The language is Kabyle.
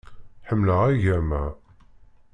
Ḥemmleɣ agama.